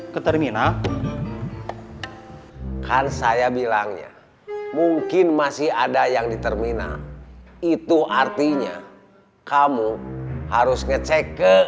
ke terminal kan saya bilang ya mungkin masih ada yang di terminal itu artinya kamu harus ngecek ke